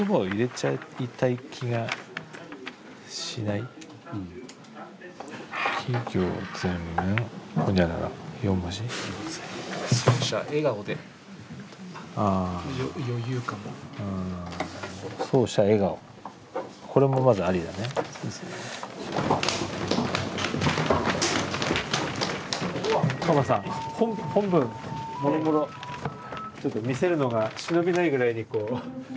ちょっと見せるのが忍びないぐらいにこういろいろと。